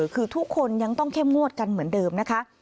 คือทุกคนยังต้องเข้มงวดกันเหมือนเดิมนะคะ